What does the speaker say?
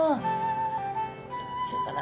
どうしようかな。